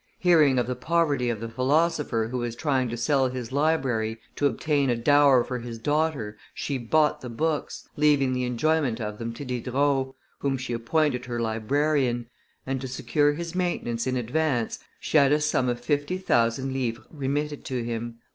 Hearing of the poverty of the philosopher who was trying to sell his library to obtain a dower for his daughter, she bought the books, leaving the enjoyment of them to Diderot, whom she appointed her librarian, and, to secure his maintenance in advance, she had a sum of fifty thousand livres remitted to him.